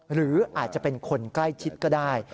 หรืออาจจะเป็นคนใกล้ชิดก็ได้